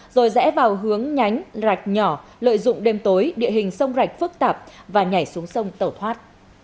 rồi rẽ vào hướng nhánh rạch nhỏ lợi dụng đêm tối địa hình sông rạch phức tạp và nhảy xuống sông tẩu thoát